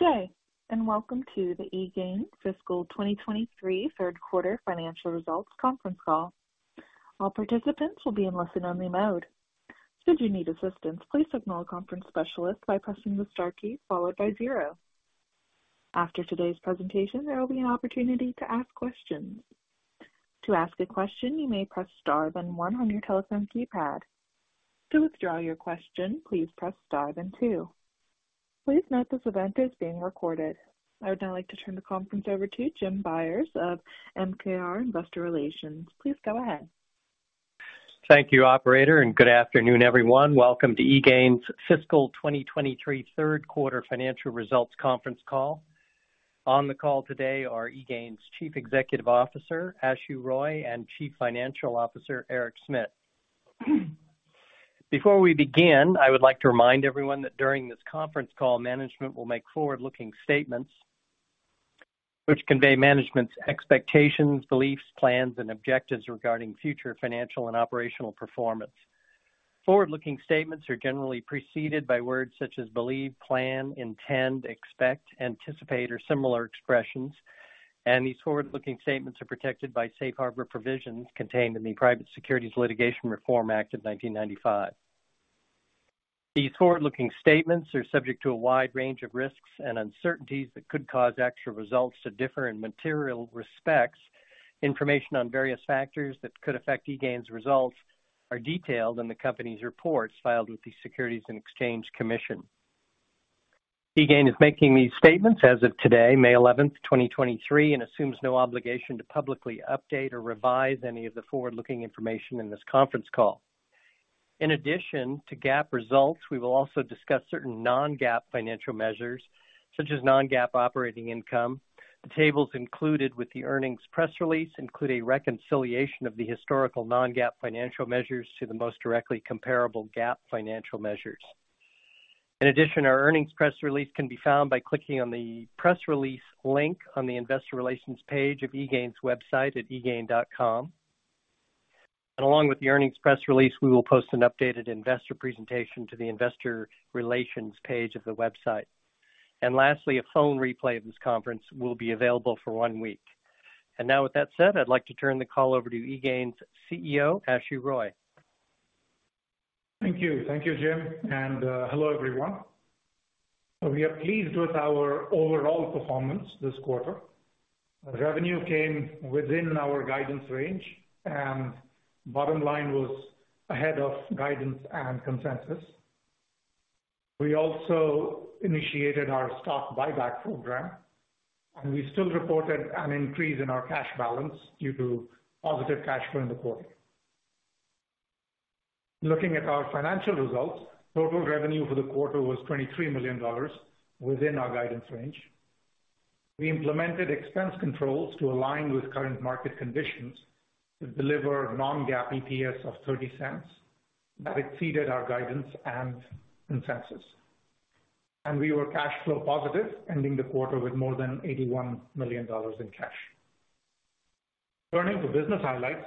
Good day, welcome to the eGain Fiscal 2023 third quarter financial results conference call. All participants will be in listen-only mode. Should you need assistance, please signal a conference specialist by pressing the star key followed by zero. After today's presentation, there will be an opportunity to ask questions. To ask a question, you may press star then one on your telephone keypad. To withdraw your question, please press star then two. Please note this event is being recorded. I would now like to turn the conference over to Jim Byers of MKR, Investor Relations. Please go ahead. Thank you, operator, and good afternoon, everyone. Welcome to eGain's Fiscal 2023 third quarter financial results conference call. On the call today are eGain's Chief Executive Officer, Ashu Roy, and Chief Financial Officer, Eric Smit. Before we begin, I would like to remind everyone that during this conference call, management will make forward-looking statements which convey management's expectations, beliefs, plans, and objectives regarding future financial and operational performance. Forward-looking statements are generally preceded by words such as believe, plan, intend, expect, anticipate, or similar expressions. These forward-looking statements are protected by Safe Harbor provisions contained in the Private Securities Litigation Reform Act of 1995. These forward-looking statements are subject to a wide range of risks and uncertainties that could cause actual results to differ in material respects. Information on various factors that could affect eGain's results are detailed in the company's reports filed with the Securities and Exchange Commission. eGain is making these statements as of today, May 11th, 2023, assumes no obligation to publicly update or revise any of the forward-looking information in this conference call. In addition to GAAP results, we will also discuss certain non-GAAP financial measures, such as non-GAAP operating income. The tables included with the earnings press release include a reconciliation of the historical non-GAAP financial measures to the most directly comparable GAAP financial measures. Our earnings press release can be found by clicking on the Press Release link on the Investor Relations page of eGain's website at egain.com. Along with the earnings press release, we will post an updated investor presentation to the Investor Relations page of the website. Lastly, a phone replay of this conference will be available for one week. Now with that said, I'd like to turn the call over to eGain's CEO, Ashu Roy. Thank you. Thank you, Jim. Hello, everyone. We are pleased with our overall performance this quarter. Revenue came within our guidance range and bottom line was ahead of guidance and consensus. We also initiated our stock buyback program, and we still reported an increase in our cash balance due to positive cash flow in the quarter. Looking at our financial results, total revenue for the quarter was $23 million within our guidance range. We implemented expense controls to align with current market conditions to deliver non-GAAP EPS of $0.30. That exceeded our guidance and consensus. We were cash flow positive, ending the quarter with more than $81 million in cash. Turning to business highlights.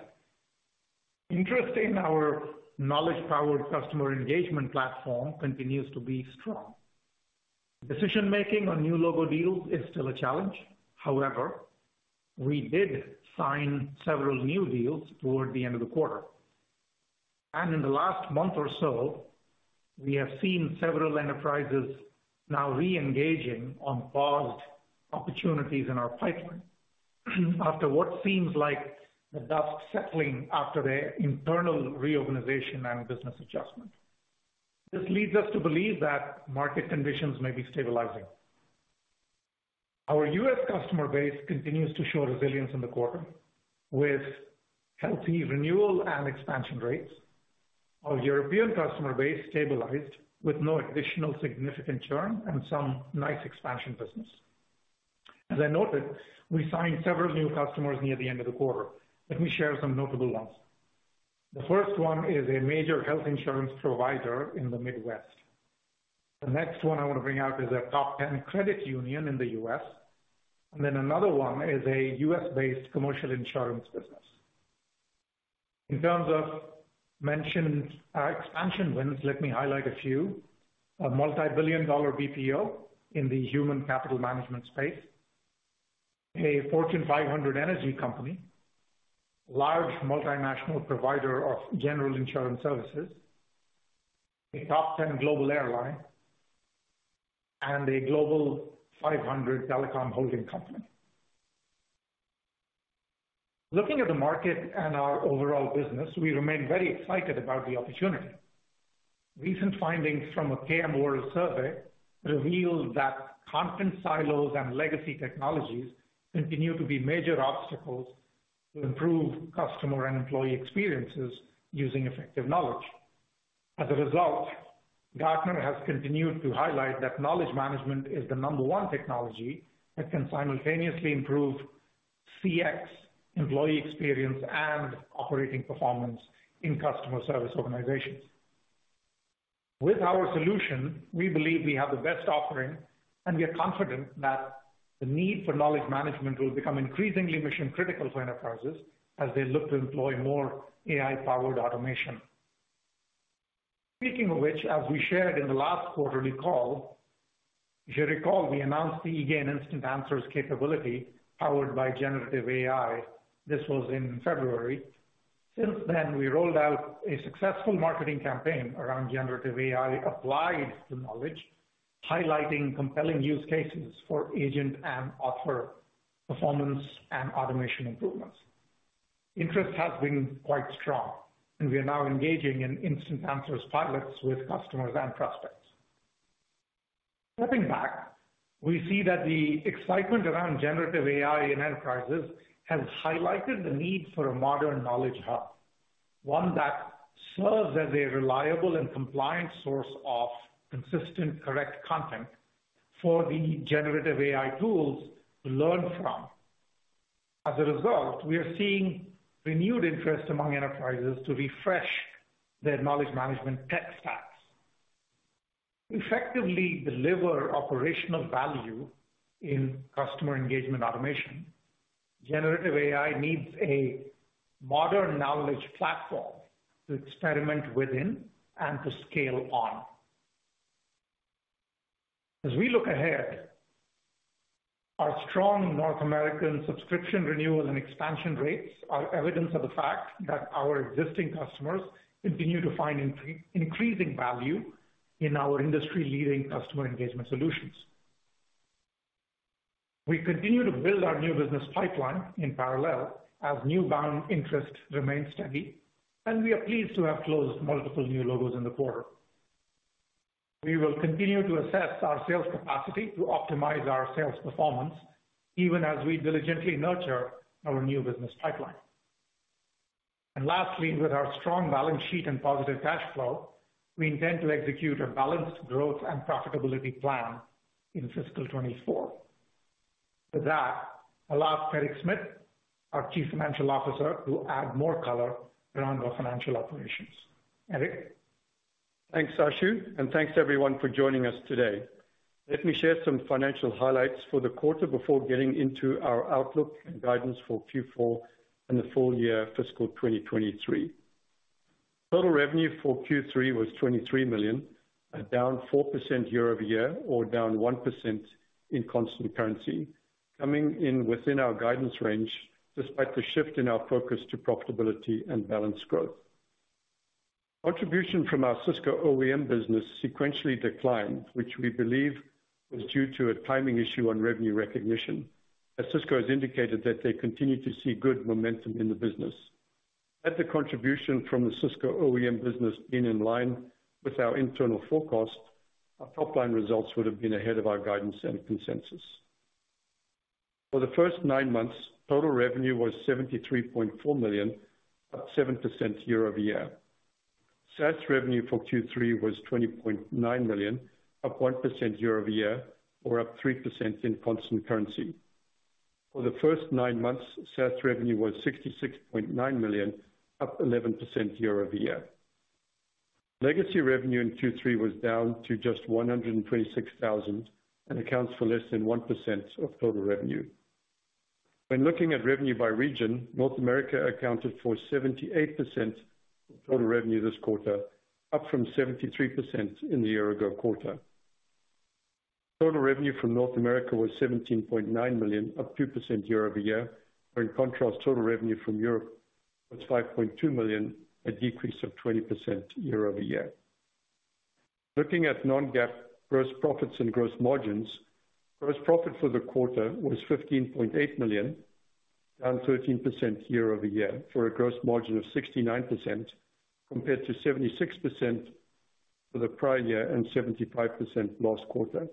Interest in our knowledge-powered customer engagement platform continues to be strong. Decision-making on new logo deals is still a challenge. However, we did sign several new deals toward the end of the quarter. In the last month or so, we have seen several enterprises now re-engaging on paused opportunities in our pipeline after what seems like the dust settling after their internal reorganization and business adjustment. This leads us to believe that market conditions may be stabilizing. Our U.S. customer base continues to show resilience in the quarter, with healthy renewal and expansion rates. Our European customer base stabilized with no additional significant churn and some nice expansion business. As I noted, we signed several new customers near the end of the quarter. Let me share some notable ones. The first one is a major health insurance provider in the Midwest. The next one I want to bring out is a top 10 credit union in the U.S. Another one is a U.S.-based commercial insurance business. In terms of mentioned expansion wins, let me highlight a few: multi-billion dollar BPO in the human capital management space, a Fortune 500 energy company, large multinational provider of general insurance services, a top-10 global airline, and a Global 500 telecom holding company. Looking at the market and our overall business, we remain very excited about the opportunity. Recent findings from a KMWorld survey revealed that content silos and legacy technologies continue to be major obstacles to improve customer and employee experiences using effective knowledge. As a result, Gartner has continued to highlight that knowledge management is the number one technology that can simultaneously improve CX, employee experience, and operating performance in customer service organizations. With our solution, we believe we have the best offering, and we are confident that the need for knowledge management will become increasingly mission-critical for enterprises as they look to employ more AI-powered automation. Speaking of which, as we shared in the last quarterly call, if you recall, we announced the eGain Instant Answers capability powered by generative AI. This was in February. Since then, we rolled out a successful marketing campaign around generative AI applied to knowledge, highlighting compelling use cases for agent and author performance and automation improvements. Interest has been quite strong, and we are now engaging in Instant Answers pilots with customers and prospects. Stepping back, we see that the excitement around generative AI in enterprises has highlighted the need for a modern knowledge hub, one that serves as a reliable and compliant source of consistent, correct content for the generative AI tools to learn from. We are seeing renewed interest among enterprises to refresh their knowledge management tech stacks. To effectively deliver operational value in customer engagement automation, generative AI needs a modern knowledge platform to experiment within and to scale on. Our strong North American subscription renewals and expansion rates are evidence of the fact that our existing customers continue to find increasing value in our industry-leading customer engagement solutions. We continue to build our new business pipeline in parallel as new bound interest remains steady. We are pleased to have closed multiple new logos in the quarter. We will continue to assess our sales capacity to optimize our sales performance even as we diligently nurture our new business pipeline. Lastly, with our strong balance sheet and positive cash flow, we intend to execute a balanced growth and profitability plan in fiscal 2024. With that, I'll ask Eric Smit, our Chief Financial Officer, to add more color around our financial operations. Eric? Thanks, Ashu, thanks everyone for joining us today. Let me share some financial highlights for the quarter before getting into our outlook and guidance for Q4 and the full year fiscal 2023. Total revenue for Q3 was $23 million, down 4% year-over-year or down 1% in constant currency, coming in within our guidance range despite the shift in our focus to profitability and balanced growth. Contribution from our Cisco OEM business sequentially declined, which we believe was due to a timing issue on revenue recognition, as Cisco has indicated that they continue to see good momentum in the business. Had the contribution from the Cisco OEM business been in line with our internal forecast, our top line results would have been ahead of our guidance and consensus. For the first nine months, total revenue was $73.4 million, up 7% year-over-year. SaaS revenue for Q3 was $20.9 million, up 1% year-over-year or up 3% in constant currency. For the first nine months, SaaS revenue was $66.9 million, up 11% year-over-year. Legacy revenue in Q3 was down to just $126,000 and accounts for less than 1% of total revenue. When looking at revenue by region, North America accounted for 78% of total revenue this quarter, up from 73% in the year-ago quarter. Total revenue from North America was $17.9 million, up 2% year-over-year. Where in contrast, total revenue from Europe was $5.2 million, a decrease of 20% year-over-year. Looking at non-GAAP gross profits and gross margins, gross profit for the quarter was $15.8 million, down 13% year-over-year, for a gross margin of 69%, compared to 76% for the prior year and 75% last quarter.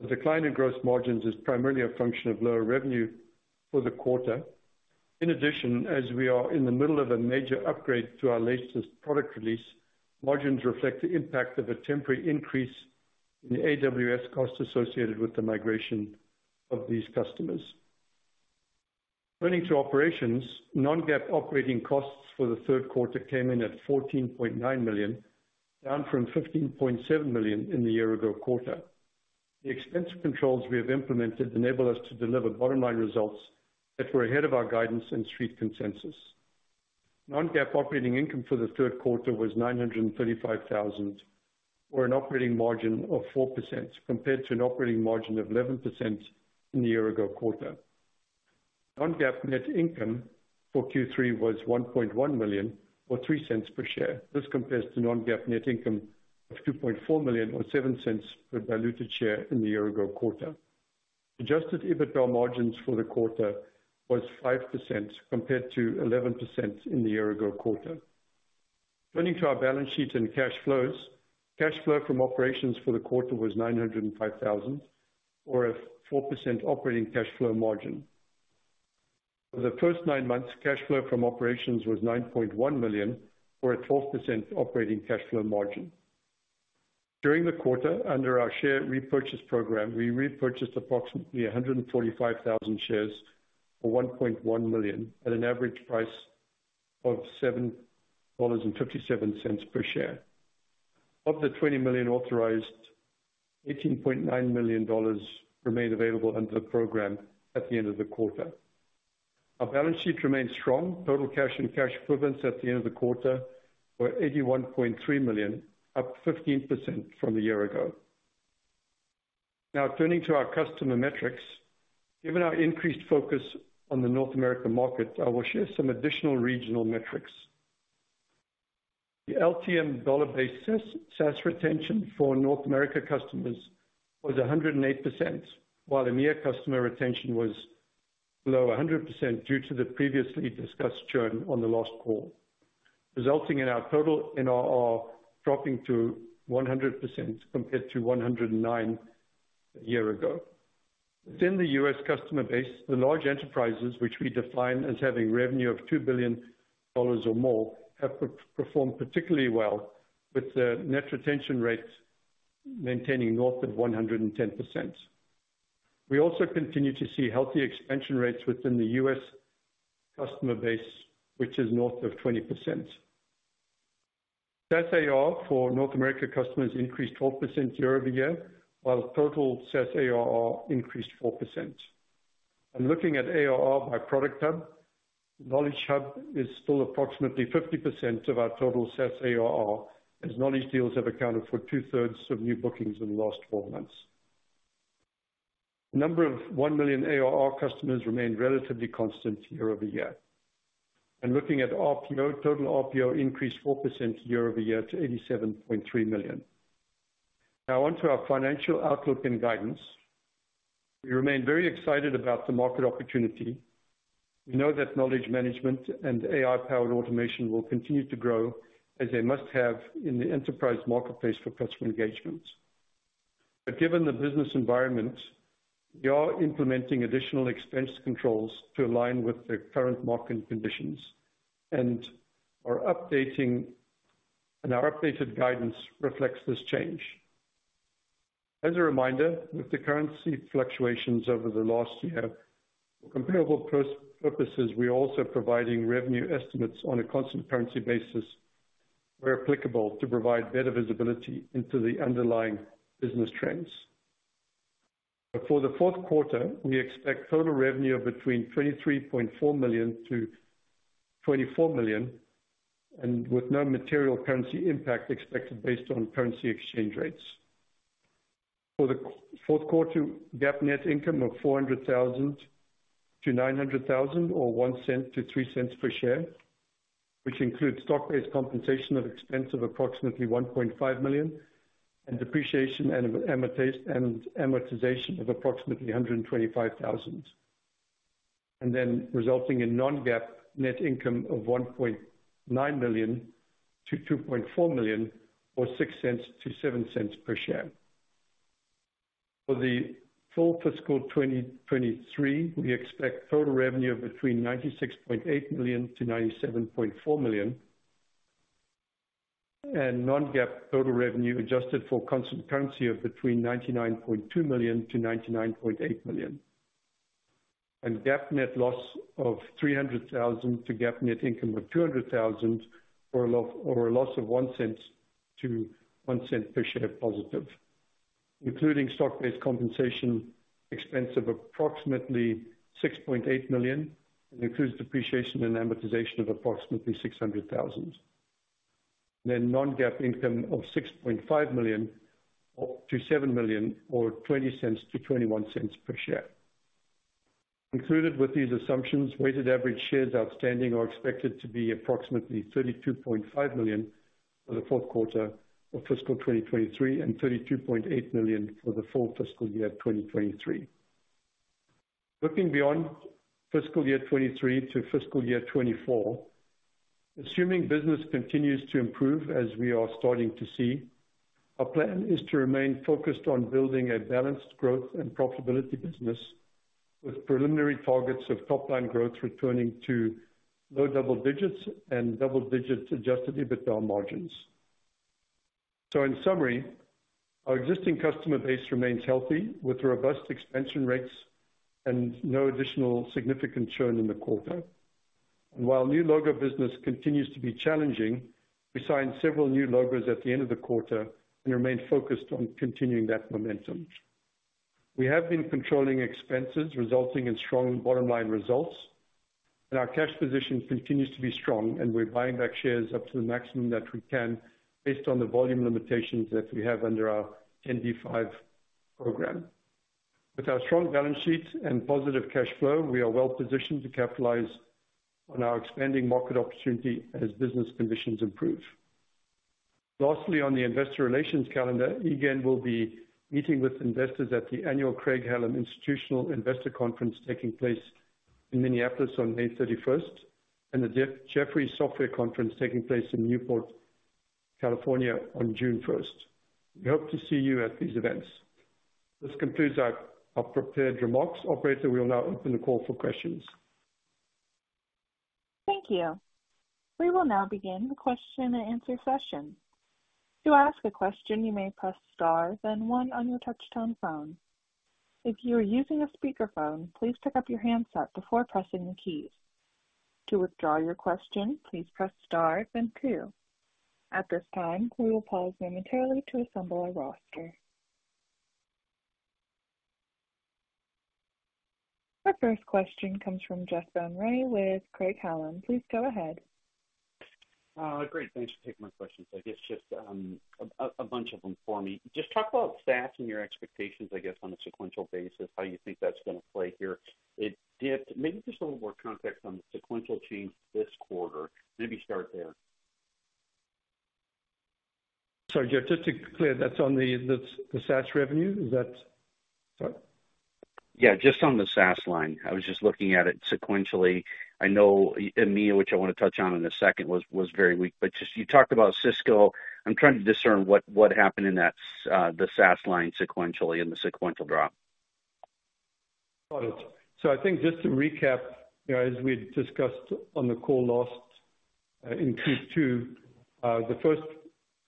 The decline in gross margins is primarily a function of lower revenue for the quarter. In addition, as we are in the middle of a major upgrade to our latest product release, margins reflect the impact of a temporary increase in the AWS costs associated with the migration of these customers. Turning to operations. Non-GAAP operating costs for the third quarter came in at $14.9 million, down from $15.7 million in the year-ago quarter. The expense controls we have implemented enable us to deliver bottom line results that were ahead of our guidance and street consensus. Non-GAAP operating income for the third quarter was $935,000, or an operating margin of 4%, compared to an operating margin of 11% in the year-ago quarter. Non-GAAP net income for Q3 was $1.1 million or $0.03 per share. This compares to non-GAAP net income of $2.4 million or $0.07 per diluted share in the year-ago quarter. Adjusted EBITDA margins for the quarter was 5% compared to 11% in the year-ago quarter. Turning to our balance sheet and cash flows. Cash flow from operations for the quarter was $905,000 or a 4% operating cash flow margin. For the first nine months, cash flow from operations was $9.1 million or a 12% operating cash flow margin. During the quarter, under our share repurchase program, we repurchased approximately 145,000 shares for $1.1 million at an average price of $7.57 per share. Of the $20 million authorized, $18.9 million remained available under the program at the end of the quarter. Our balance sheet remains strong. Total cash and cash equivalents at the end of the quarter were $81.3 million, up 15% from a year ago. Turning to our customer metrics. Given our increased focus on the North America market, I will share some additional regional metrics. The LTM dollar-based SaaS retention for North America customers was 108%, while EMEA customer retention was below 100% due to the previously discussed churn on the last call, resulting in our total NRR dropping to 100% compared to 109% a year ago. Within the U.S. customer base, the large enterprises which we define as having revenue of $2 billion or more, have performed particularly well with the net retention rates maintaining north of 110%. We also continue to see healthy expansion rates within the U.S. customer base, which is north of 20%. SaaS ARR for North America customers increased 12% year-over-year, while total SaaS ARR increased 4%. Looking at ARR by product hub, Knowledge Hub is still approximately 50% of our total SaaS ARR, as knowledge deals have accounted for 2/3 of new bookings in the last 12 months. The number of one million ARR customers remained relatively constant year-over-year. Looking at RPO, total RPO increased 4% year-over-year to $87.3 million. Now onto our financial outlook and guidance. We remain very excited about the market opportunity. We know that knowledge management and AI-powered automation will continue to grow as a must-have in the enterprise marketplace for customer engagements. Given the business environment, we are implementing additional expense controls to align with the current market conditions, and our updated guidance reflects this change. As a reminder, with the currency fluctuations over the last year, for comparable purposes, we are also providing revenue estimates on a constant currency basis where applicable to provide better visibility into the underlying business trends. For the fourth quarter, we expect total revenue of between $23.4 million-$24 million and with no material currency impact expected based on currency exchange rates. For the fourth quarter, GAAP net income of $400,000-$900,000 or $0.01-$0.03 per share, which includes stock-based compensation of expense of approximately $1.5 million and depreciation and amortization of approximately $125,000. Resulting in non-GAAP net income of $1.9 million-$2.4 million or $0.06-$0.07 per share. For the full fiscal 2023, we expect total revenue of between $96.8 million-$97.4 million. Non-GAAP total revenue adjusted for constant currency of between $99.2 million-$99.8 million. GAAP net loss of $300,000 to GAAP net income of $200,000 or a loss of $0.01 to $0.01 per share positive, including stock-based compensation expense of approximately $6.8 million and includes depreciation and amortization of approximately $600,000. Non-GAAP income of $6.5 million-$7 million or $0.20-$0.21 per share. Included with these assumptions, weighted average shares outstanding are expected to be approximately 32.5 million for the fourth quarter of fiscal 2023 and 32.8 million for the full fiscal year 2023. Looking beyond fiscal year 2023 to fiscal year 2024, assuming business continues to improve as we are starting to see, our plan is to remain focused on building a balanced growth and profitability business with preliminary targets of top-line growth returning to low-double-digits and double-digits adjusted EBITDA margins. In summary, our existing customer base remains healthy with robust expansion rates and no additional significant churn in the quarter. While new logo business continues to be challenging, we signed several new logos at the end of the quarter and remain focused on continuing that momentum. We have been controlling expenses resulting in strong bottom-line results, and our cash position continues to be strong and we're buying back shares up to the maximum that we can based on the volume limitations that we have under our 10b5 program. With our strong balance sheet and positive cash flow, we are well positioned to capitalize on our expanding market opportunity as business conditions improve. Lastly, on the Investor Relations calendar, eGain will be meeting with investors at the Annual Craig-Hallum Institutional Investor Conference taking place in Minneapolis on May 31st and the Jefferies Software Conference taking place in Newport, California, on June 1st. We hope to see you at these events. This concludes our prepared remarks. Operator, we will now open the call for questions. Thank you. We will now begin the question and answer session. To ask a question, you may press star then one on your touch-tone phone. If you are using a speakerphone, please pick up your handset before pressing the keys. To withdraw your question, please press star then two. At this time, we will pause momentarily to assemble a roster. Our first question comes from Jeff Van Rhee with Craig-Hallum. Please go ahead. Great, thanks for taking my questions. I guess just a bunch of them for me. Just talk about stats and your expectations, I guess, on a sequential basis, how you think that's gonna play here. It dipped. Maybe just a little more context on the sequential change this quarter. Maybe start there. Sorry, Jeff, just to be clear, that's on the SaaS revenue? Sorry. Yeah, just on the SaaS line. I was just looking at it sequentially. I know EMEA, which I wanna touch on in a second, was very weak. Just, you talked about Cisco. I'm trying to discern what happened in that the SaaS line sequentially and the sequential drop. Got it. I think just to recap, you know, as we'd discussed on the call last, in Q2, the first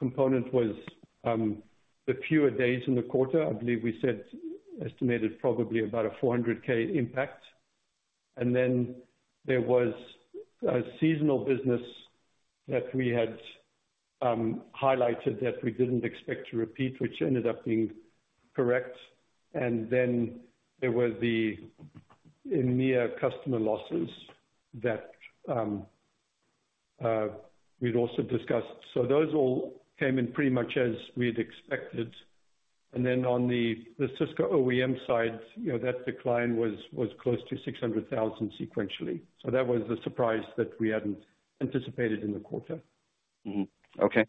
component was the fewer days in the quarter. I believe we said estimated probably about a $400,000 impact. There was a seasonal business that we had highlighted that we didn't expect to repeat, which ended up being correct. There were the EMEA customer losses that we'd also discussed. Those all came in pretty much as we'd expected. On the Cisco OEM side, you know, that decline was close to $600,000 sequentially. That was the surprise that we hadn't anticipated in the quarter. Okay.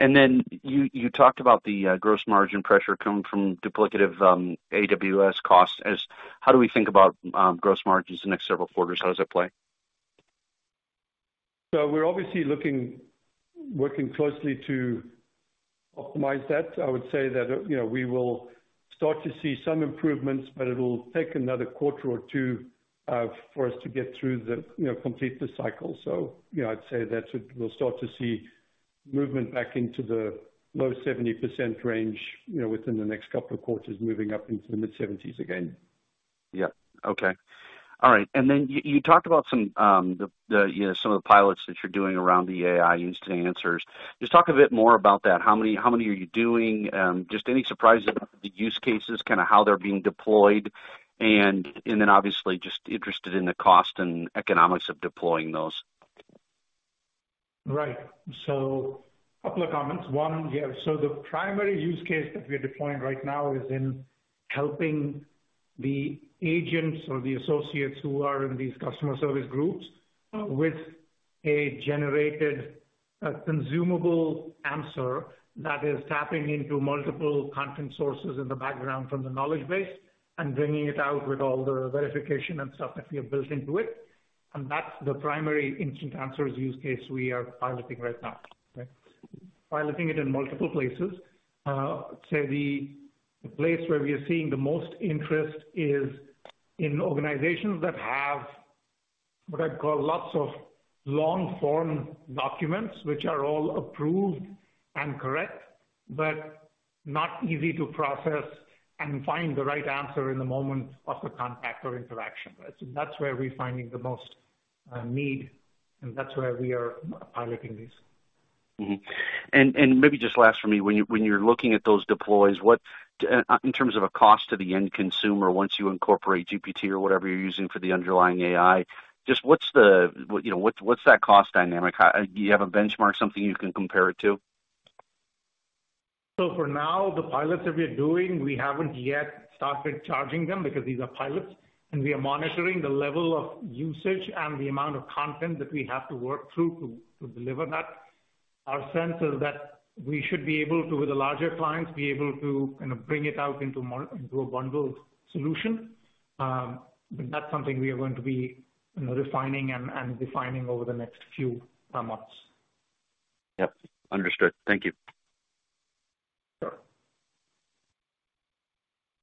then you talked about the gross margin pressure coming from duplicative AWS costs. How do we think about gross margins the next several quarters? How does that play? We're obviously working closely to optimize that. I would say that, you know, we will start to see some improvements. But it'll take another quarter or two for us to get through the, you know, complete the cycle. You know, I'd say that we'll start to see movement back into the low-70% range, you know, within the next couple of quarters moving up into the mid-70s again. Yeah. Okay. All right. Then you talked about some, the, you know, some of the pilots that you're doing around the AI Instant Answers. Just talk a bit more about that. How many are you doing? Just any surprises about the use cases, kinda how they're being deployed? Then obviously just interested in the cost and economics of deploying those. Right. Couple of comments. One, yeah, the primary use case that we are deploying right now is in helping the agents or the associates who are in these customer service groups with a generated, a consumable answer that is tapping into multiple content sources in the background from the knowledge base, and bringing it out with all the verification and stuff that we have built into it. That's the primary Instant Answers use case we are piloting right now. Okay? Piloting it in multiple places. I'd say the place where we are seeing the most interest is in organizations that have what I'd call lots of long-form documents which are all approved and correct, but not easy to process and find the right answer in the moment of the contact or interaction. That's where we're finding the most need, and that's where we are piloting this. Mm-hmm. Maybe just last for me, when you're looking at those deploys, what, in terms of a cost to the end consumer once you incorporate GPT or whatever you're using for the underlying AI, just what's the, you know, what's that cost dynamic? Do you have a benchmark, something you can compare it to? For now, the pilots that we are doing, we haven't yet started charging them because these are pilots. We are monitoring the level of usage and the amount of content that we have to work through to deliver that. Our sense is that we should be able to, with the larger clients, be able to, kind of, bring it out into a bundled solution. That's something we are going to be, you know, refining and defining over the next few months. Yep. Understood. Thank you. Sure.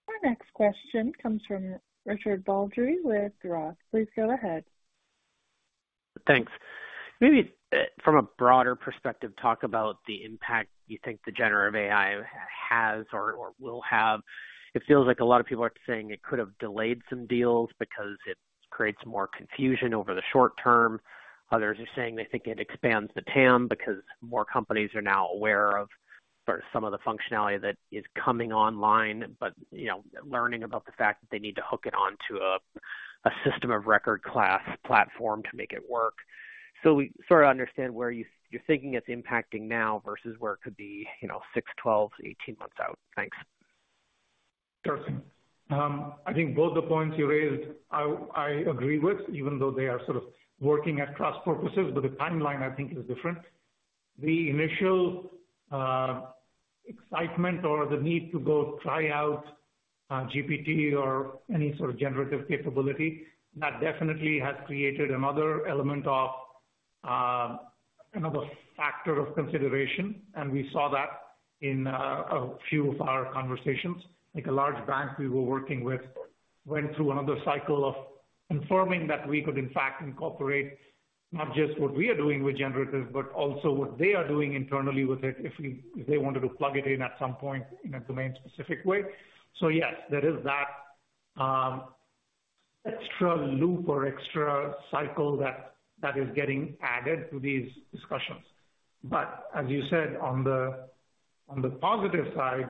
Our next question comes from Richard Baldry with ROTH. Please go ahead. Thanks. Maybe, from a broader perspective, talk about the impact you think the generative AI has or will have. It feels like a lot of people are saying it could have delayed some deals because it creates more confusion over the short term. Others are saying they think it expands the TAM because more companies are now aware of sort of some of the functionality that is coming online. But, you know, learning about the fact that they need to hook it onto a system of record class platform to make it work. We sort of understand where you're thinking it's impacting now versus where it could be, you know, six months, 12 months, 18 months out. Thanks. Sure thing. I think both the points you raised, I agree with, even though they are sort of working at cross-purposes. The timeline, I think, is different. The initial excitement or the need to go try out GPT or any sort of generative capability, that definitely has created another element of another factor of consideration. We saw that in a few of our conversations. Like a large bank we were working with went through another cycle of confirming that we could in fact incorporate not just what we are doing with generatives, but also what they are doing internally with it if they wanted to plug it in at some point in a domain-specific way. Yes, there is that extra loop or extra cycle that is getting added to these discussions. As you said on the, on the positive side,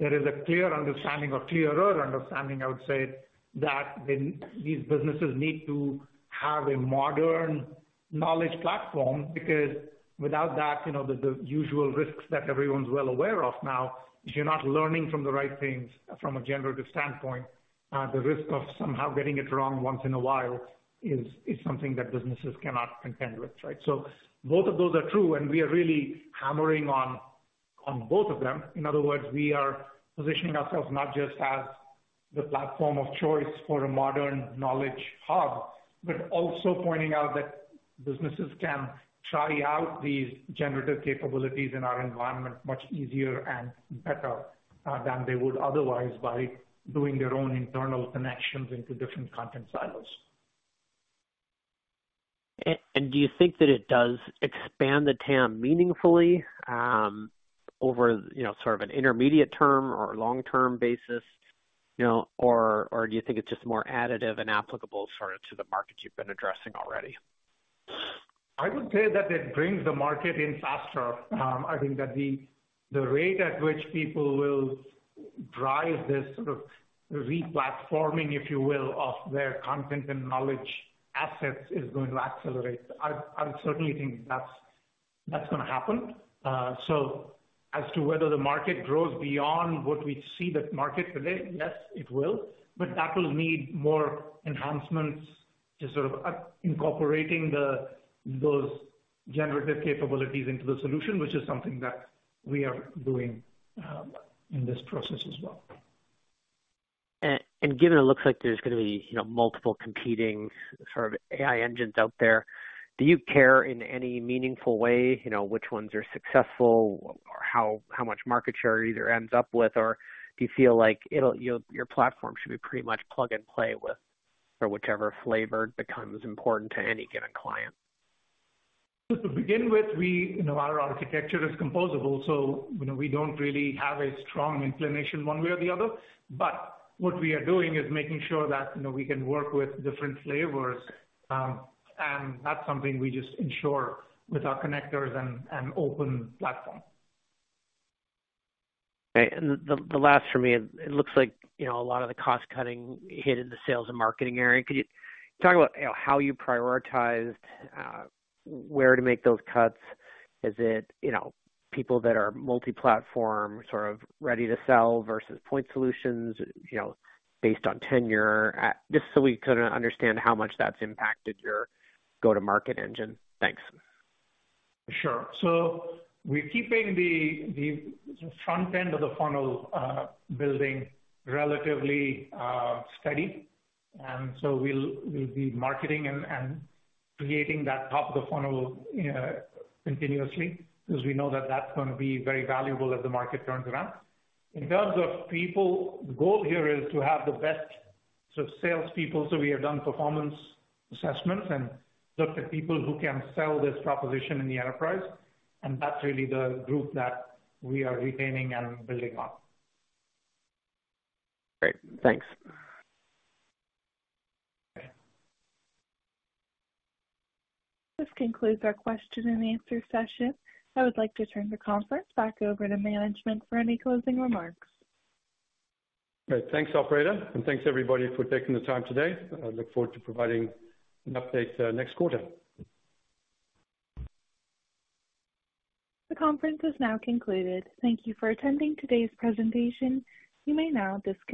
there is a clear understanding or clearer understanding, I would say, that when these businesses need to have a modern knowledge platform because without that, you know, the usual risks that everyone's well aware of now is you're not learning from the right things from a generative standpoint. The risk of somehow getting it wrong once in a while is something that businesses cannot contend with, right? Both of those are true, and we are really hammering on both of them. In other words, we are positioning ourselves not just as the platform of choice for a modern Knowledge Hub, but also pointing out that businesses can try out these generative capabilities in our environment much easier and better than they would otherwise by doing their own internal connections into different content silos. Do you think that it does expand the TAM meaningfully, over, you know, sort of an intermediate term or long-term basis, you know? Or do you think it's just more additive and applicable sort of to the markets you've been addressing already? I would say that it brings the market in faster. I think that the rate at which people will drive this sort of re-platforming, if you will, of their content and knowledge assets is going to accelerate. I certainly think that's gonna happen. As to whether the market grows beyond what we see the market today, yes, it will. That will need more enhancements to sort of, incorporating those generative capabilities into the solution, which is something that we are doing in this process as well. Given it looks like there's gonna be, you know, multiple competing sort of AI engines out there, do you care in any meaningful way, you know, which ones are successful or how much market share either ends up with? Do you feel like, you know, your platform should be pretty much plug and play with for whichever flavor becomes important to any given client? To begin with, we, you know, our architecture is composable, so, you know, we don't really have a strong inclination one way or the other. What we are doing is making sure that, you know, we can work with different flavors. That's something we just ensure with our connectors and open platform. Okay. The last for me, it looks like, you know, a lot of the cost cutting hit in the sales and marketing area. Could you talk about, you know, how you prioritized, where to make those cuts? Is it, you know, people that are multi-platform sort of ready to sell versus point solutions, you know, based on tenure? Just so we can understand how much that's impacted your go-to-market engine. Thanks. Sure. We're keeping the front end of the funnel building relatively steady. We'll be marketing and creating that top of the funnel, continuously, because we know that that's gonna be very valuable as the market turns around. In terms of people, the goal here is to have the best sort of salespeople. We have done performance assessments and looked at people who can sell this proposition in the enterprise. That's really the group that we are retaining and building on. Great. Thanks. Okay. This concludes our question and answer session. I would like to turn the conference back over to management for any closing remarks. Great. Thanks, operator, and thanks everybody for taking the time today. I look forward to providing an update next quarter. The conference is now concluded. Thank you for attending today's presentation. You may now disconnect.